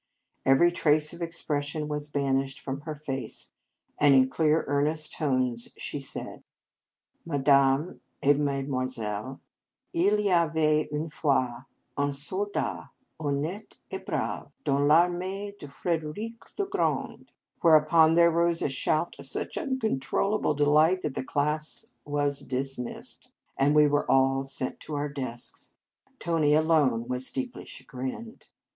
Every trace of expression was banished from her face, and in clear, earnest tones she said: " Madame et mesdemoiselles, il y avait une fois un soldat, honnete et brave, dans 1 armee de Frederic le Grand," whereupon there arose a shout of such uncontrollable delight that the class was dismissed, and we were all sent to our desks. Tony alone .78 Marriage Vows was deeply chagrined.